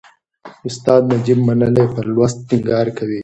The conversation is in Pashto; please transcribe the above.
استاد نجيب منلی پر لوست ټینګار کوي.